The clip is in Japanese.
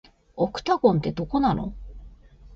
オクタゴンって、どこなの